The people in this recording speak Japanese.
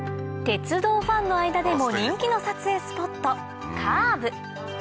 鉄道ファンの間でも人気の撮影スポットカーブ